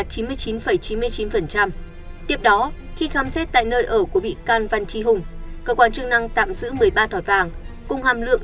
tiếp đó khi khám xét tại nơi ở của bị can văn tri hùng cơ quan chức năng tạm giữ một mươi ba thỏi vàng cùng hàm lượng chín mươi chín chín mươi chín